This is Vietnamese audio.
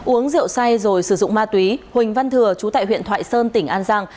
uống rượu say rồi sử dụng ma túy huỳnh văn thừa chú tại huyện thoại sơn tỉnh an giang